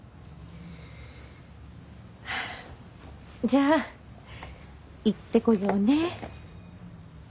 じゃあ行ってこようね。